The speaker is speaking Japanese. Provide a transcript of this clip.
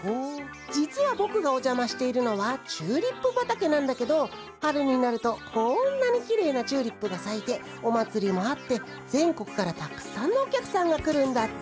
じつはぼくがおじゃましているのはチューリップばたけなんだけどはるになるとこんなにきれいなチューリップがさいておまつりもあって全国からたくさんのおきゃくさんがくるんだって。